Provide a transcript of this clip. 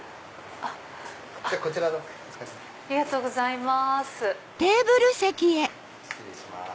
ありがとうございます。